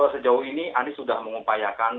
sejauh ini anies sudah mengupayakan